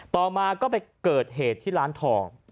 ต่อมาก็ไปเกิดเหตุที่ร้านทอง